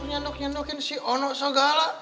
nyenduk nyendukin si ono segala